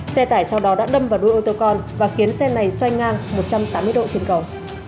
xe tải sau đó đã đâm vào đuôi ô tô con và khiến xe này xoay ngang một trăm tám mươi độ trên cầu